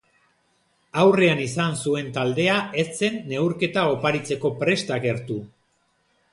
Aurrean izan zuen taldea ez zen neurketa oparitzeko prest agertu.